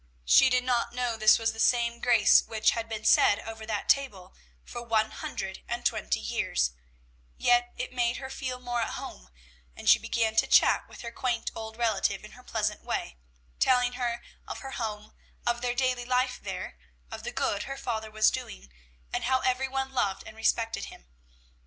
She did not know this was the same grace which had been said over that table for one hundred and twenty years; yet it made her feel more at home, and she began to chat with her quaint old relative in her pleasant way, telling her of her home, of their daily life there, of the good her father was doing, and how every one loved and respected him.